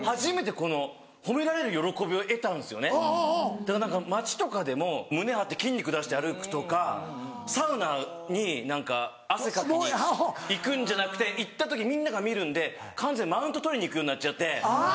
だから何か街とかでも胸張って筋肉出して歩くとかサウナに何か汗かきに行くんじゃなくて行った時みんなが見るんで完全にマウントとりに行くようになっちゃって。